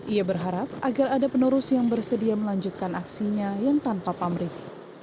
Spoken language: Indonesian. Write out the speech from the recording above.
ia berharap agar ada penerus yang bersedia melanjutkan aksinya yang tanpa pamrih